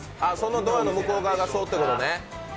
ドアの向こう側がそうってことね。